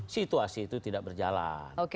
situasi itu tidak berjalan